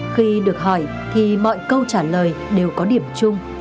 khi được hỏi thì mọi câu trả lời đều có điểm chung